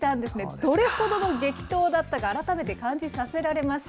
どれほどの激闘だったか、改めて感じさせられました。